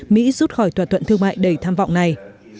mỹ rút khỏi thỏa thuận thương mại đầy tham vọng này